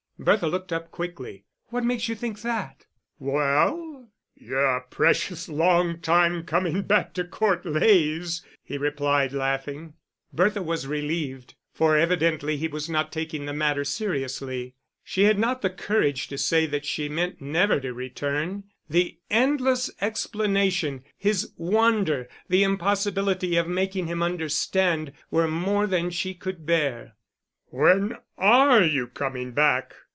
Bertha looked up quickly. "What makes you think that?" "Well, you're a precious long time coming back to Court Leys," he replied, laughing. Bertha was relieved, for evidently he was not taking the matter seriously. She had not the courage to say that she meant never to return: the endless explanation, his wonder, the impossibility of making him understand, were more than she could bear. "When are you coming back?